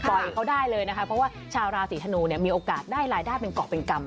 เขาได้เลยนะคะเพราะว่าชาวราศีธนูเนี่ยมีโอกาสได้รายได้เป็นเกาะเป็นกรรม